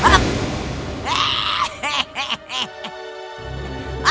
bicara dengan jelas